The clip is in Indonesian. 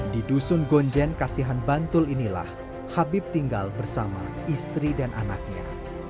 di dusun gonjen kasihan bantul inilah habib tinggal bersama istri dan anaknya